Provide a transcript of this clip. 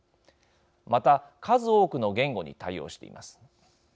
また数多くの言語に対応しています。